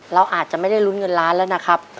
เราอาจจะไม่ได้ลุ้นเงินล้านแล้วนะครับ